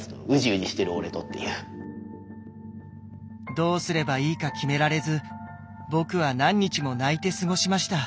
どうすればいいか決められず僕は何日も泣いて過ごしました。